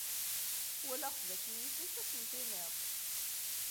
Walaɣ d akken yif-it ad asen-tiniḍ.